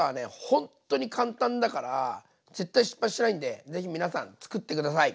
ほんっとに簡単だから絶対失敗しないんでぜひ皆さんつくって下さい！